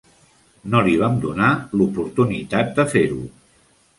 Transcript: No li vam donar l'oportunitat de fer-ho.